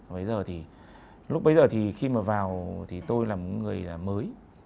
bây giờ thì lúc bây giờ thì khi mà vào thì tôi là một người mới